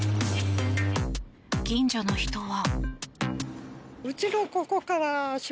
近所の人は。